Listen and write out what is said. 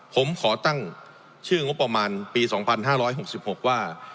ผมขอตั้งชื่องบประมาณปี๒๕๖๖ว่า